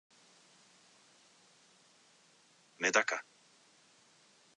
めだか